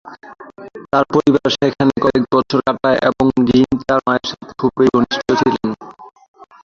তার পরিবার সেখানে কয়েক বছর কাটায় এবং ডিন তার মায়ের সাথে খুব ঘনিষ্ঠ ছিলেন।